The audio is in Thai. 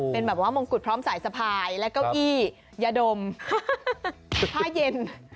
เป็นแบบว่ามงกุฎพร้อมสายสะพายและเก้าอี้ยาดมผ้าเย็น